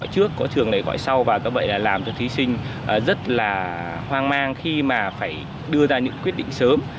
trước có thường lấy gọi sau và do vậy là làm cho thí sinh rất là hoang mang khi mà phải đưa ra những quyết định sớm